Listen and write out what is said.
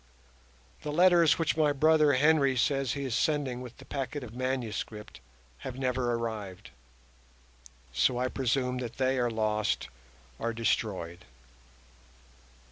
The letters which my brother Henry says he is sending with the packet of manuscript have never arrived, so I presume that they are lost or destroyed.